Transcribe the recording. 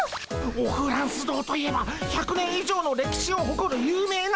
オフランス堂といえば１００年以上の歴史をほこる有名なお店。